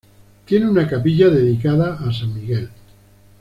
Tiene una capilla dedicada a San Miguel.